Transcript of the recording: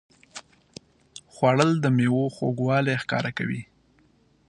خوړل د میوو خوږوالی ښکاره کوي